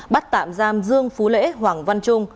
bắt tạm giam dương phú lễ hoàng văn trung